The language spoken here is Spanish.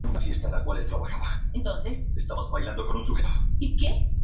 En conjunto, se van de aventuras, derrotan villanos, resuelven misterios y aprenden valiosas lecciones.